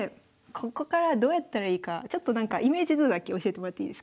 ここからどうやったらいいかちょっとなんかイメージ図だけ教えてもらっていいですか？